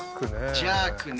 ジャークね。